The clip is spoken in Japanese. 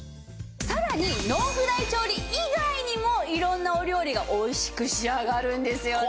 さらにノンフライ調理以外にも色んなお料理が美味しく仕上がるんですよね。